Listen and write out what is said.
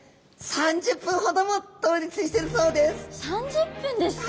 ３０分ですか！